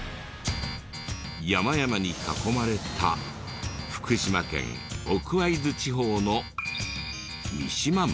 山々に囲まれた福島県奥会津地方の三島町。